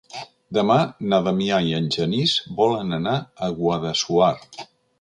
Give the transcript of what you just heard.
Demà na Damià i en Genís volen anar a Guadassuar.